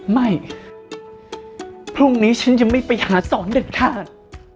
ไม่พรุ่งนี้ฉันจะไม่ไปหาสอนเด็ดขาด